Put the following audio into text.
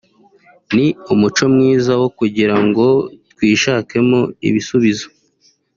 ni umuco mwiza wo kugira ngo twishakemo ibisubizo